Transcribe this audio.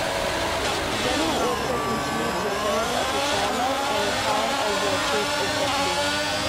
Getty will also continue to serve as chairman and Klein as chief executive.